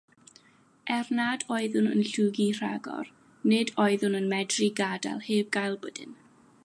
Er nad oeddwn yn llwgu rhagor, nid oeddwn yn medru gadael heb gael pwdin!